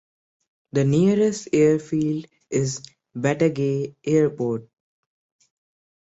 The nearest airfield is Batagay Airport.